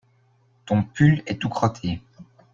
Ton pull est tout crotté.